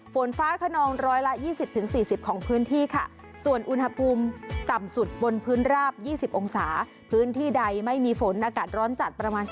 ฝนฟ้าขนองร้อยละ๒๐๔๐องธุ์พื้นที่ค่ะ